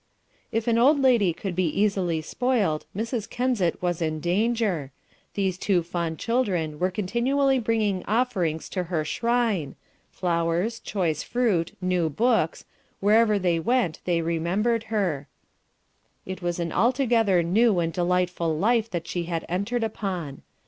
If an old lady could be easily spoiled, Mrs. Kensett was in danger; these two fond children were continually bringing offerings to her shrine, flowers, choice fruit, new books, wherever they went they remembered her. It was an altogether new and delightful life that she had entered upon.